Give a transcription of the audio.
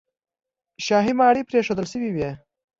شاهي ماڼۍ پرېښودل شوې وې.